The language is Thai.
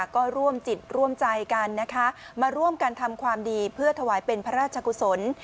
ก็ร่วมจิตร่วมใจกันนะคะมาร่วมกันทำความดีเพื่อถวายเป็นพระราชกุศล